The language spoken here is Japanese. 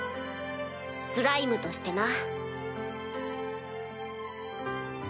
スライムとしてな。